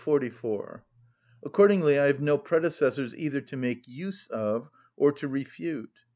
44, dem.) Accordingly I have no predecessors either to make use of or to refute.